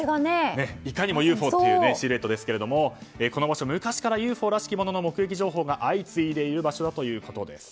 いかにもＵＦＯというシルエットですがこの場所昔からＵＦＯらしきものの目撃情報が相次いでいる場所ということです。